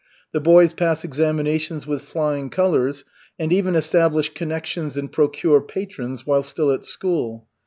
The boys pass examinations with flying colors and even establish connections and procure patrons while still at school.